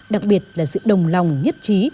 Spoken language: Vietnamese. đặc biệt là sự đồng lòng nhất trí